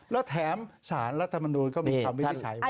แล้วแถมสารรัฐมนุนก็มีคำวิธีใช้